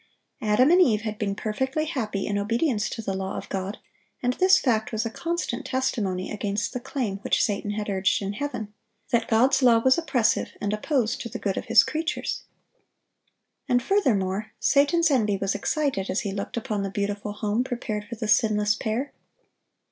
Adam and Eve had been perfectly happy in obedience to the law of God, and this fact was a constant testimony against the claim which Satan had urged in heaven, that God's law was oppressive, and opposed to the good of His creatures. And furthermore, Satan's envy was excited as he looked upon the beautiful home prepared for the sinless pair.